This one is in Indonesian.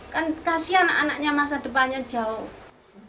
kan kasian anaknya masa depannya jauh